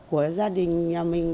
của gia đình nhà mình